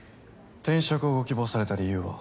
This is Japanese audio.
転職をご希望された理由は？